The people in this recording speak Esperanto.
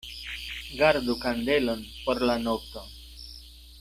Gardu kandelon por la nokto.